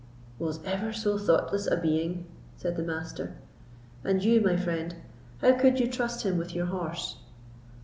"Was ever so thoughtless a being!" said the Master; "and you, my friend, how could you trust him with your horse?"